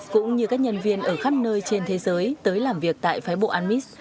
cũng như các nhân viên ở khắp nơi trên thế giới tới làm việc tại phái bộ anmis